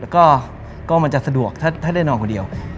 ก็มันจะสะดวกถ้าได้นอนคนเดียว